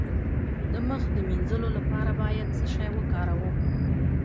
د مخ د مینځلو لپاره باید څه شی وکاروم؟